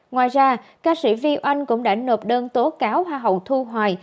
ngoài ra ca sĩ vi oanh cũng đã nộp đơn tố cáo hoa hậu thu hoài